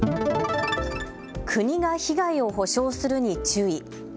国が被害を補償するに注意。